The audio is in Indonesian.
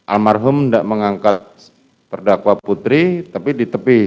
almarhum enggak mengangkat perdakwa putri tapi di tepi